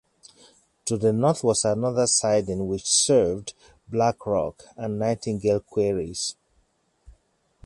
To the north was another siding which served Black Rock and Nightingale Quarries.